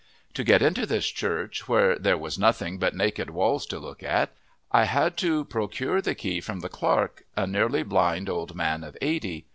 To get into this church, where there was nothing but naked walls to look at, I had to procure the key from the clerk, a nearly blind old man of eighty.